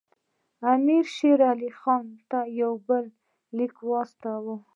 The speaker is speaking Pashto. امیر شېر علي خان ته یو بل لیک واستاوه.